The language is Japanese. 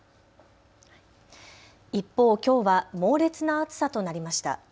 一方、きょうは猛烈な暑さとなりました。